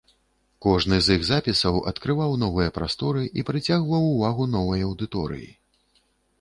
Кожны з іх запісаў адкрываў новыя прасторы і прыцягваў увагу новай аўдыторыі.